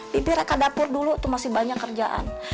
bibi reka dapur dulu tuh masih banyak kerjaan